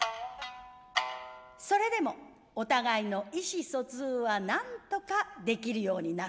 それでもお互いの意思疎通はなんとか出来るようになる。